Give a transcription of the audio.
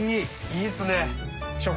いいっすね！